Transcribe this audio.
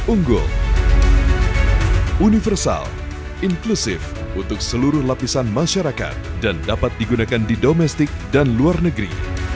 unggul universal inklusif untuk seluruh lapisan masyarakat dan dapat digunakan di domestik dan luar negeri